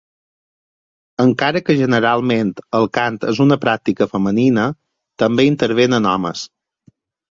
Encara que generalment el cant és una pràctica femenina, també intervenen homes.